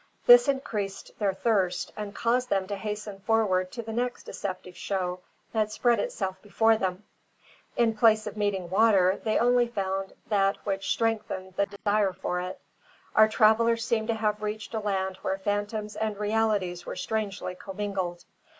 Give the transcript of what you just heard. This increased their thirst, and caused them to hasten forward to the next deceptive show that spread itself before them. In place of meeting water, they only found that which strengthened the desire for it. Our travellers seemed to have reached a land where phantoms and realities were strangely commingled.